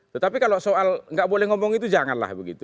tetapi kalau soal nggak boleh ngomong itu janganlah begitu